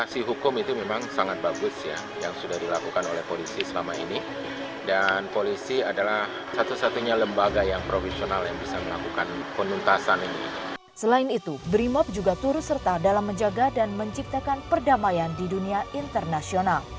selain itu brimob juga turut serta dalam menjaga dan menciptakan perdamaian di dunia internasional